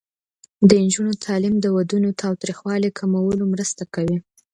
د نجونو تعلیم د ودونو تاوتریخوالي کمولو مرسته کوي.